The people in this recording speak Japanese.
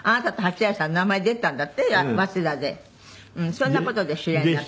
そんな事で知り合いになった。